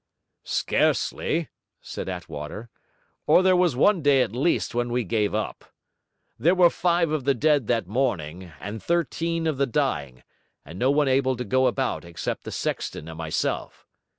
'Scarcely,' said Attwater; 'or there was one day at least when we gave up. There were five of the dead that morning, and thirteen of the dying, and no one able to go about except the sexton and myself.